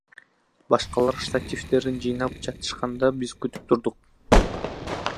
Башкалар штативдерин жыйнап жатышканда, биз күтүп турдук.